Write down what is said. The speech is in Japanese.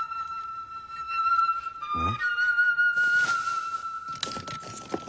うん？